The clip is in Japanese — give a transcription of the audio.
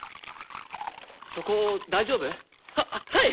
そこ大丈夫？ははい！